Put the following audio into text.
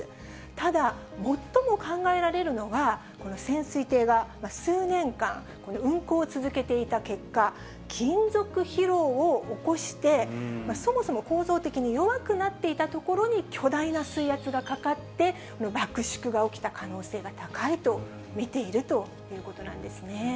ただ、最も考えられるのは、この潜水艇が数年間、運航を続けていた結果、金属疲労を起こして、そもそも構造的に弱くなっていたところに巨大な水圧がかかって、爆縮が起きた可能性が高いと見ているということなんですね。